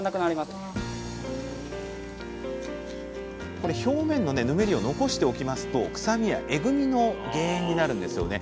この表面のぬめりを残しておきますと臭みやえぐみの原因になるんですよね。